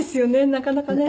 なかなかね。